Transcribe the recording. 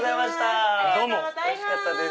おいしかったです。